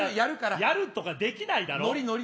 やるとか、できないだろ。